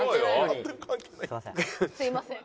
すみません。